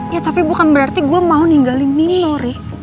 ya tapi bukan berarti gue mau ninggalin nino ri